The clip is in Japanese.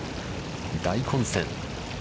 大混戦。